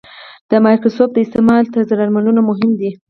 د مایکروسکوپ د استعمال طرزالعملونه مهم دي.